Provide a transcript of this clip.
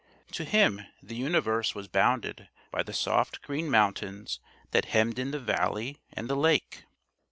To him the universe was bounded by the soft green mountains that hemmed in the valley and the lake.